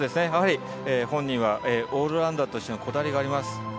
やはり本人はオールラウンダーとしてのこだわりがあります。